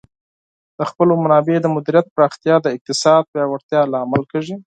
د خپلو منابعو د مدیریت پراختیا د اقتصاد پیاوړتیا لامل کیږي.